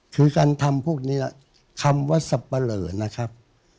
คือการทำพวกนี้คำว่าสับปะเหลอนะครับ